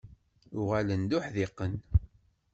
Uɣalen d uḥdiqen.